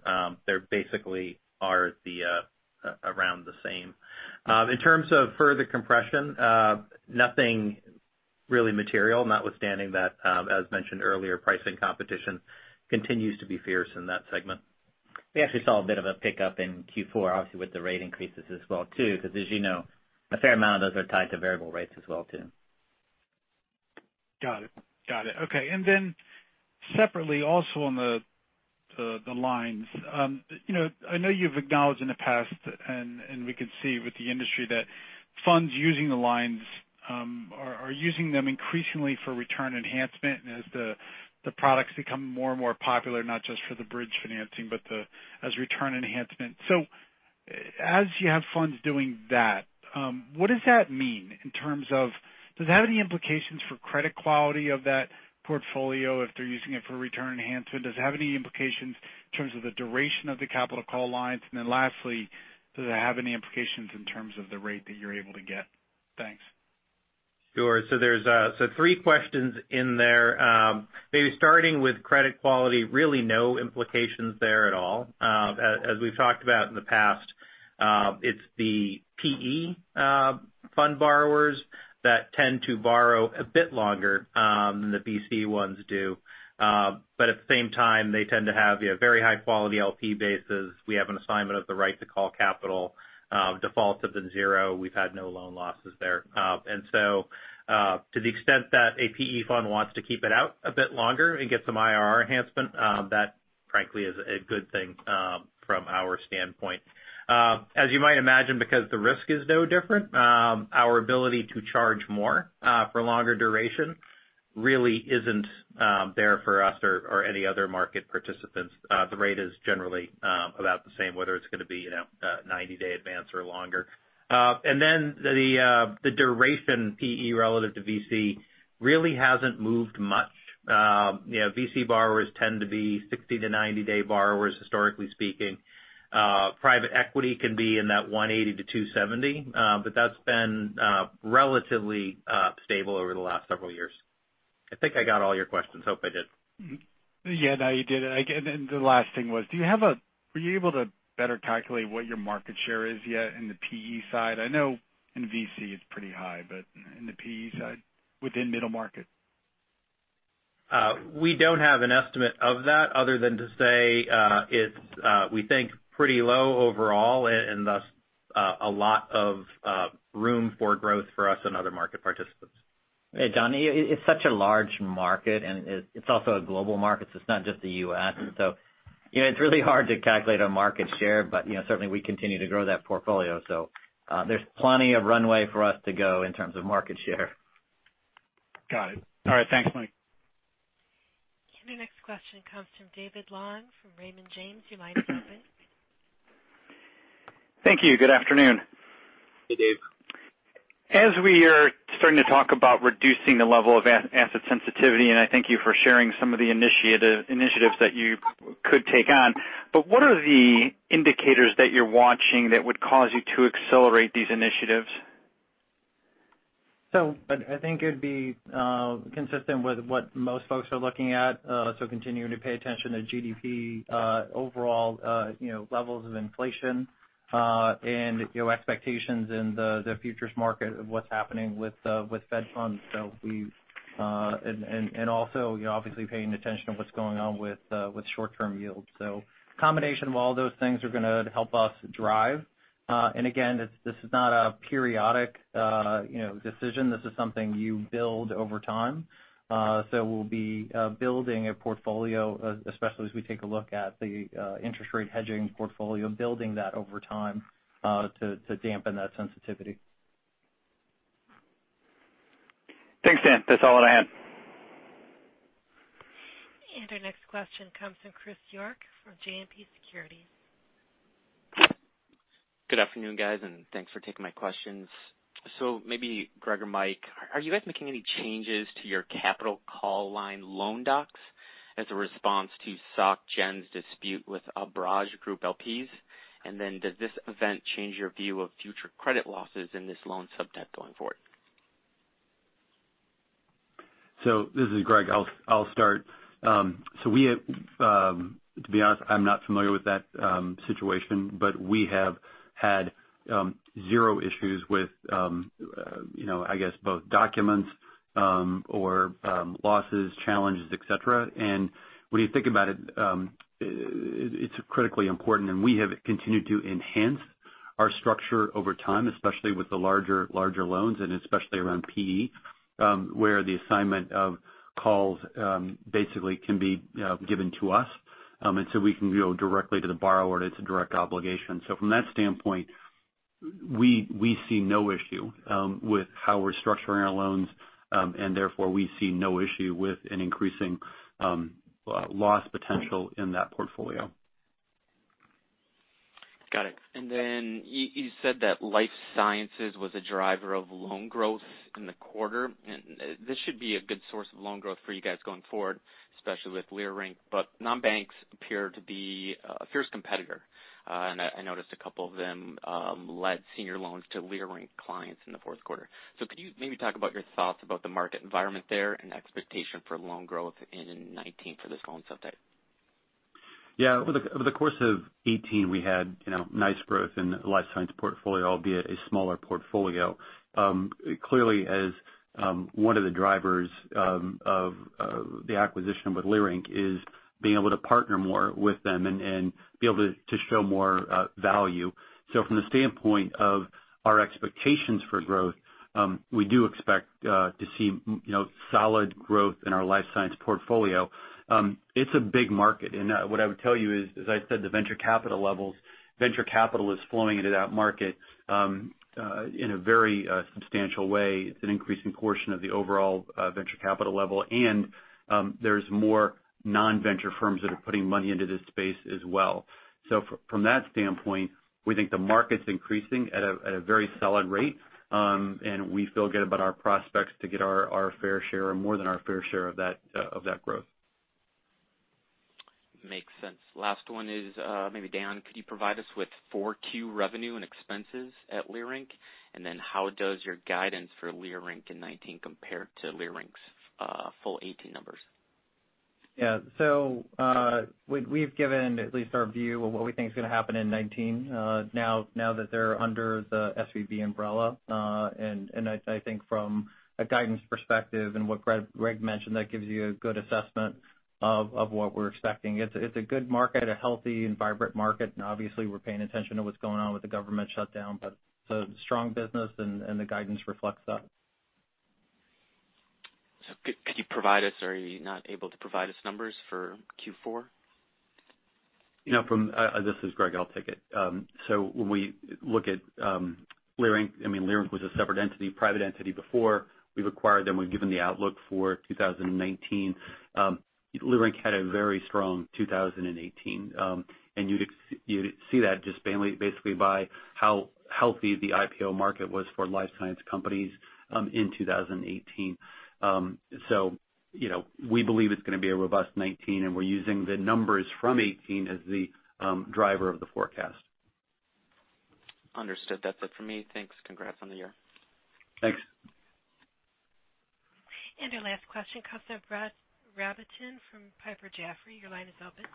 they are basically around the same. In terms of further compression, nothing really material notwithstanding that, as mentioned earlier, pricing competition continues to be fierce in that segment. We actually saw a bit of a pickup in Q4, obviously, with the rate increases as well, because, as you know, a fair amount of those are tied to variable rates as well. Got it. Okay. Separately, also on the lines. I know you've acknowledged in the past, and we can see with the industry, that funds using the lines are using them increasingly for return enhancement as the products become more and more popular, not just for the bridge financing, but as return enhancement. As you have funds doing that, what does that mean in terms of, does it have any implications for the credit quality of that portfolio if they're using it for return enhancement? Does it have any implications in terms of the duration of the capital call lines? Lastly, does it have any implications in terms of the rate that you're able to get? Thanks. Sure. Three questions in there. Maybe starting with credit quality, really, no implications there at all. As we've talked about in the past, it's the PE fund borrowers that tend to borrow a bit longer than the VC ones do. At the same time, they tend to have very high-quality LP bases. We have an assignment of the right to call capital. Defaults have been zero. We've had no loan losses there. To the extent that a PE fund wants to keep it out a bit longer and get some IRR enhancement, that frankly is a good thing from our standpoint. As you might imagine, because the risk is no different, our ability to charge more for longer duration really isn't there for us or any other market participants. The rate is generally about the same, whether it's going to be a 90-day advance or longer. The duration PE relative to VC really hasn't moved much. VC borrowers tend to be 60- to 90-day borrowers, historically speaking. Private equity can be in that 180- to 270-day range. That's been relatively stable over the last several years. I think I got all your questions. Hope I did. Yeah. No, you did. The last thing was, were you able to better calculate what your market share is yet on the PE side? I know in VC it's pretty high, but on the PE side, within middle market? We don't have an estimate of that other than to say it's, we think, pretty low overall, and thus a lot of room for growth for other market participants and us. Hey, John. It's such a large market, it's also a global market, it's not just the U.S. It's really hard to calculate our market share. Certainly, we continue to grow that portfolio, there's plenty of runway for us to go in terms of market share. Got it. All right. Thanks, Mike. The next question comes from David Long from Raymond James. You might begin. Thank you. Good afternoon. Hey, Dave. As we are starting to talk about reducing the level of asset sensitivity, I thank you for sharing some of the initiatives that you could take on. What are the indicators that you're watching that would cause you to accelerate these initiatives? I think it'd be consistent with what most folks are looking at. Continuing to pay attention to GDP, overall levels of inflation, and expectations in the futures market of what's happening with Fed funds. Also, obviously, paying attention to what's going on with short-term yields. A combination of all those things is going to help us drive. Again, this is not a periodic decision. This is something you build over time. We'll be building a portfolio, especially as we take a look at the interest rate hedging portfolio, building that over time to dampen that sensitivity. Thanks, Dan. That's all that I had. Our next question comes from Chris York from JMP Securities. Good afternoon, guys, and thanks for taking my questions. Maybe Greg or Mike, are you guys making any changes to your capital call line loan docs as a response to SocGen's dispute with Abraaj Group LPs? Does this event change your view of future credit losses in this loan sub-debt going forward? This is Greg. I'll start. To be honest, I'm not familiar with that situation, but we have had zero issues with either document or losses, challenges, et cetera. When you think about it's critically important, and we have continued to enhance our structure over time, especially with the larger loans and especially around PE, where the assignment of calls basically can be given to us. We can go directly to the borrower, and it's a direct obligation. From that standpoint, we see no issue with how we're structuring our loans, and therefore, we see no issue with an increasing loss potential in that portfolio. Got it. You said that Life Sciences was a driver of loan growth in the quarter. This should be a good source of loan growth for you guys going forward, especially with Leerink. Non-banks appear to be fierce competitors. I noticed a couple of them led senior loans to Leerink clients in the fourth quarter. Could you maybe talk about your thoughts about the market environment there and expectations for loan growth in 2019 for this loan sub-debt? Yeah. Over the course of 2018, we had nice growth in the Life Sciences portfolio, albeit a smaller portfolio. Clearly, one of the drivers of the acquisition with Leerink, is being able to partner more with them and be able to show more value. From the standpoint of our expectations for growth, we do expect to see solid growth in our Life Sciences portfolio. It's a big market. What I would tell you is, as I said, the venture capital levels. Venture capital is flowing into that market in a very substantial way. It's an increasing portion of the overall venture capital level; there are more non-venture firms that are putting money into this space as well. From that standpoint, we think the market's increasing at a very solid rate, and we feel good about our prospects to get our fair share or more than our fair share of that growth. Makes sense. Last one is, maybe Dan, could you provide us with 4Q revenue and expenses at Leerink? How does your guidance for Leerink in 2019 compare to Leerink's full 2018 numbers? Yeah. We've given at least our view of what we think is going to happen in 2019 now that they're under the SVB umbrella. I think from a guidance perspective, and what Greg mentioned, that gives you a good assessment of what we're expecting. It's a good market, a healthy and vibrant market, and obviously, we're paying attention to what's going on with the government shutdown, but it's a strong business, and the guidance reflects that. Could you provide us, or are you not able to provide us with numbers for Q4? This is Greg. I'll take it. When we look at Leerink was a separate entity, a private entity, before we acquired them. We've given the outlook for 2019. Leerink had a very strong 2018. You'd see that just basically by how healthy the IPO market was for life science companies in 2018. We believe it's going to be a robust 2019, and we're using the numbers from 2018 as the driver of the forecast. Understood. That's it for me. Thanks. Congrats on the year. Thanks. Our last question comes from Brett Rabatin from Piper Jaffray. Your line is open.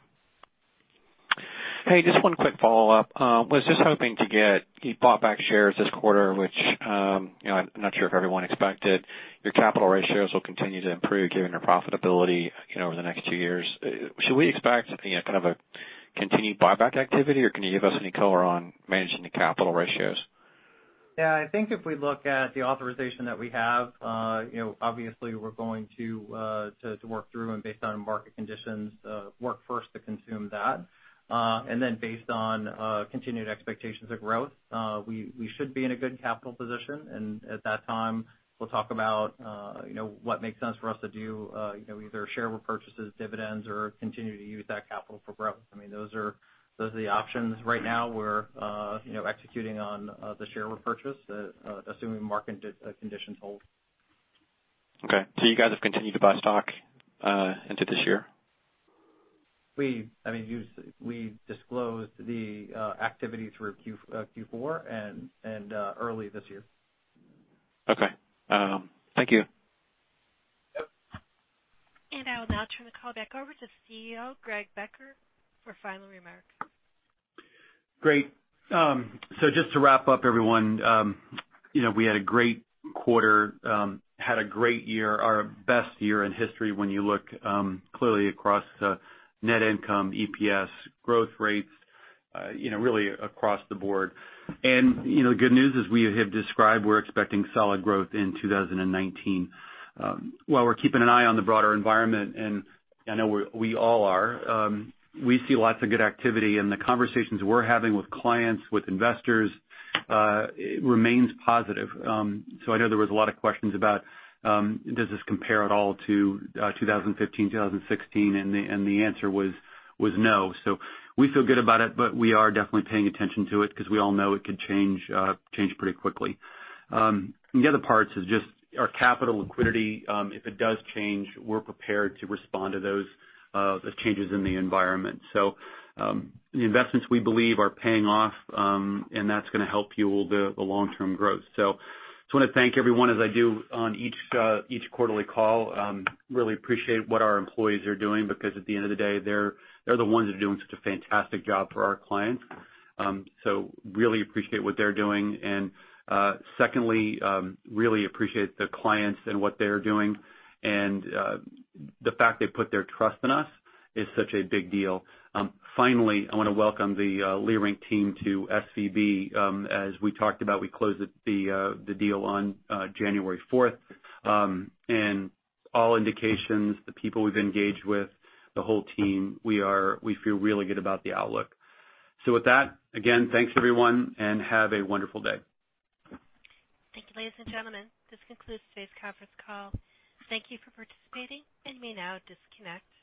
Hey, just one quick follow-up. You bought back shares this quarter, which I'm not sure if everyone expected. Your capital ratios will continue to improve given your profitability over the next two years. Should we expect a kind of continued buyback activity, or can you give us any color on managing the capital ratios? Yeah, I think if we look at the authorization that we have, obviously, we're going to work through and based on market conditions, work first to consume that. Then, based on continued expectations of growth, we should be in a good capital position, and at that time, we'll talk about what makes sense for us to do, either share repurchases, dividends, or continue to use that capital for growth. Those are the options. Right now, we're executing on the share repurchase, assuming market conditions hold. Okay. Have you guys continued to buy stock this year? We disclosed the activity through Q4 and early this year. Okay. Thank you. Yep. I will now turn the call back over to CEO Greg Becker for final remarks. Great. Just to wrap up, everyone. We had a great quarter, had a great year, our best year in history when you look clearly across net income, EPS, growth rates, really across the board. The good news is that we have described, we're expecting solid growth in 2019. While we're keeping an eye on the broader environment, and I know we all are, we see lots of good activity in the conversations we're having with clients, with investors, that remains positive. I know there were a lot of questions about whether this compares at all to 2015, 2016? The answer was no. We feel good about it, but we are definitely paying attention to it because we all know it could change pretty quickly. The other parts are just our capital liquidity. If it does change, we're prepared to respond to those changes in the environment. The investments, we believe, are paying off, and that's going to help fuel the long-term growth. Just want to thank everyone as I do on each quarterly call. Really appreciate what our employees are doing because at the end of the day, they're the ones who are doing such a fantastic job for our clients. Really appreciate what they're doing. Secondly, really appreciate the clients and what they're doing. The fact that they put their trust in us is such a big deal. Finally, I want to welcome the Leerink team to SVB. As we talked about, we closed the deal on January 4th. All indications are that the people we've engaged with, the whole team, we feel really good about the outlook. With that, again, thanks everyone, and have a wonderful day. Thank you, ladies and gentlemen. This concludes today's conference call. Thank you for participating. You may now disconnect.